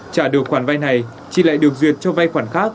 trả được khoản vay này chị lại được duyệt cho vay khoản khác